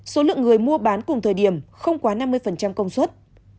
số lượng người mua bán cùng thời điểm không quá năm mươi công suất